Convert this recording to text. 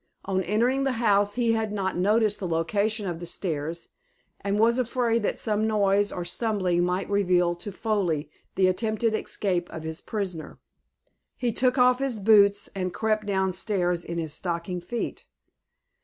On entering the house he had not noticed the location of the stairs, and was afraid that some noise or stumbling might reveal to Foley the attempted escape of his prisoner. He took off his boots, and crept down stairs in his stocking feet.